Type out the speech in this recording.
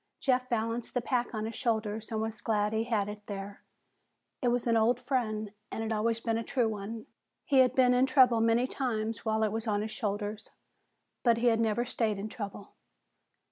Jeff balanced the pack on his shoulders and was glad he had it there. It was an old friend and had always been a true one. He had been in trouble many times while it was on his shoulders, but he had never stayed in trouble.